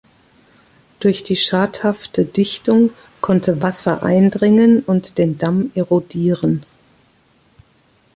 Durch die schadhafte Dichtung konnte Wasser eindringen und den Damm erodieren.